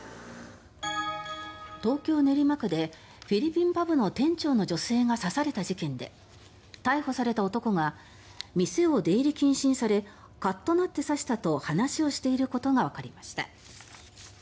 東京・練馬区でフィリピンパブの店長の女性が刺された事件で逮捕された男が店を出入り禁止にされカッとなって刺したと話をしていることがわかりました。